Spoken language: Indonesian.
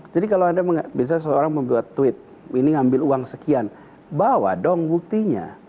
jadi kalau anda biasanya seorang membuat tweet ini ngambil uang sekian bawa dong buktinya